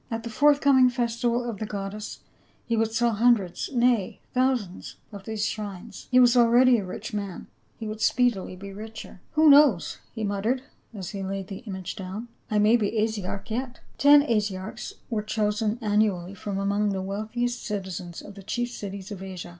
At the forthcoming festival of the goddess he would sell lumdreds — na) thousands — of these shrines. He was already a rich man ; he would .speedily be richer. " Who knows," he muttered, as he laid the image down, " I may be Asiarch yet."t * See Farrar's L/fe and Work of St. Paul, page 360. t Ten Asiarchs were chosen ;inniially from among the wealth iest citizens of the chief cities of Asia.